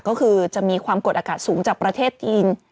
ก็คือจะมีความกดอากาศสูงจากประเทศจีน